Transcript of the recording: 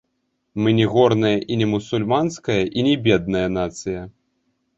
Мы не горная і не мусульманская і не бедная нацыя.